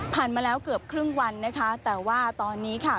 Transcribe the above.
มาแล้วเกือบครึ่งวันนะคะแต่ว่าตอนนี้ค่ะ